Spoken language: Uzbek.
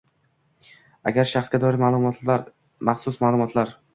agar shaxsga doir maxsus ma’lumotlar